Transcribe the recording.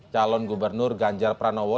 calon gubernur ganjar pranowo